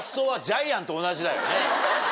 と同じだよね。